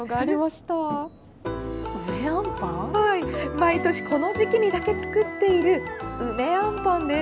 毎年、この時期にだけ作っている、梅あんぱんです。